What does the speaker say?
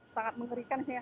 sangat mengerikan ya